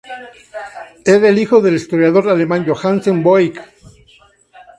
Era hijo del historiador alemán Johannes Voigt.